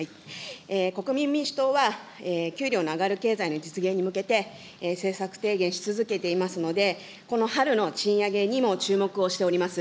国民民主党は給料の上がる経済の実現に向けて、政策提言し続けていますので、この春の賃上げにも注目をしております。